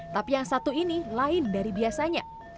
tapi yang satu ini lain dari biasanya